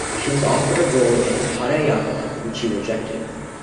She was offered a role in "Padayappa" which she rejected.